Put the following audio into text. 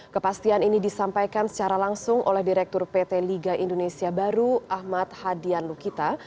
kepastian ini disampaikan secara langsung oleh direktur pt liga indonesia baru ahmad hadian lukita